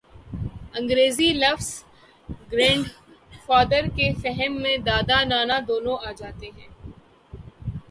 انگریزی لفظ grandfather کے فہم میں دادا، نانا دونوں آ جاتے ہیں۔